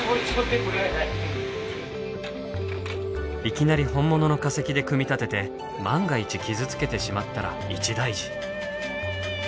いきなり本物の化石で組み立てて万が一傷つけてしまったら一大事。